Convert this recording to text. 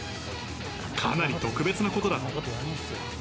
かなり特別なことだ。